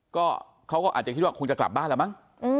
ก็เขาก็อาจจะคิดว่าคงจะกลับบ้านแล้วมั้ง